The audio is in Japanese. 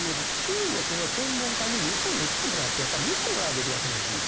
中国の専門家に日本に来てもらってやっぱり見てもらうべきだと思うんですね。